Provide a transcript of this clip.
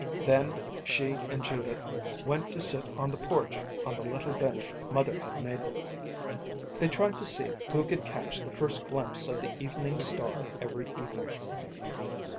Then she and Judith went to sit on the porch on the little bench Mother had made them. They tried to see who could catch the first glimpse of the evening star every evening.